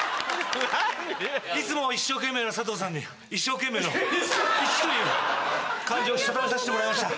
いつも一生懸命な佐藤さんに一生懸命の「一」という漢字をしたためさせてもらいました。